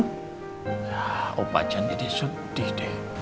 ya opacan ini sedih deh